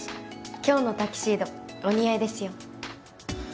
今日のタキシードお似合いですよ